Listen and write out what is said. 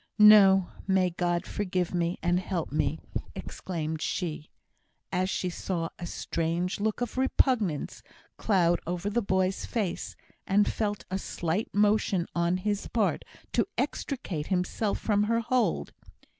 "No! May God forgive me, and help me!" exclaimed she, as she saw a strange look of repugnance cloud over the boy's face, and felt a slight motion on his part to extricate himself from her hold.